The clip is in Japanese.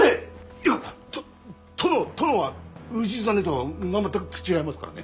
いやと殿殿は氏真とは全く違いますからね。